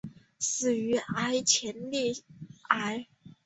死于前列腺癌。